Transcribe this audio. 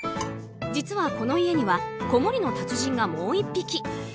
実は、この家には子守の達人がもう１匹。